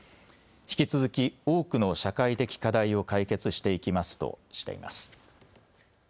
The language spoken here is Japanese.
引き続き多くの社会的課題を解決していきますとしています。